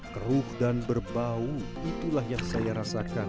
keruh dan berbau itulah yang saya rasakan